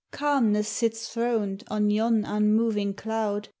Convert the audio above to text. Calmness sits throned on yon unmoving cloud.